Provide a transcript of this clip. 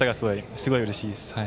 すごいうれしいです。